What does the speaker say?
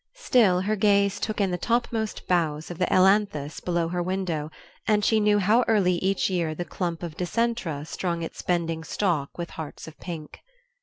Still, her gaze took in the topmost boughs of the ailanthus below her window, and she knew how early each year the clump of dicentra strung its bending stalk with hearts of pink.